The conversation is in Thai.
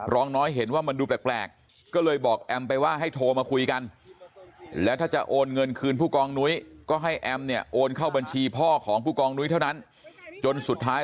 รองน้อยเห็นว่ามันดูแปลกก็เลยบอกแอมไปว่าให้โทรมาคุยกัน